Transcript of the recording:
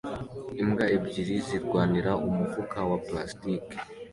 Imbwa ebyiri zirwanira umufuka wa plastiki